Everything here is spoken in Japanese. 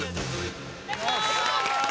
お願いします！